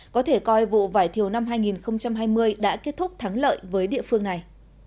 có thể coi vụ vải thiều năm hai nghìn hai mươi đã kết thúc thắng lợi với địa phương này